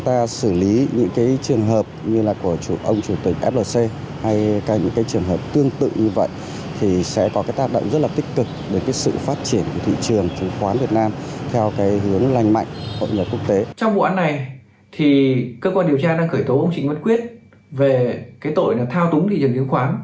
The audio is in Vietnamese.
trong vụ án này cơ quan điều tra đang khởi tố ông trịnh văn quyết về tội thao túng thị trường chứng khoán